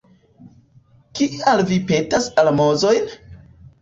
Kial vi petas almozojn?